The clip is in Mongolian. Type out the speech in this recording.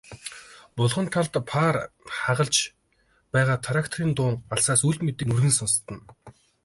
Булган талд паар хагалж байгаа тракторын дуун алсаас үл мэдэг нүргэн сонстоно.